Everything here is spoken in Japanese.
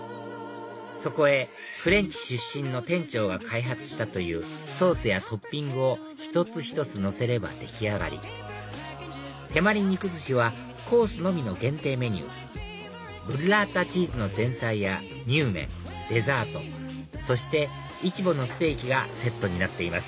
そこへフレンチ出身の店長が開発したというソースやトッピングを一つ一つのせれば出来上がり手毬肉寿司はコースのみの限定メニューブラータチーズの前菜やにゅう麺デザートそしてイチボのステーキがセットになっています